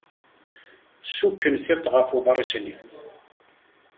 Ssukken tiṭ ɣef uḍris-nni.